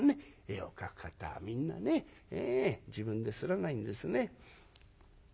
絵を描く方はみんなね自分ですらないんですね。